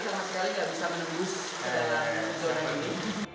sama sekali tidak bisa menembus zona ini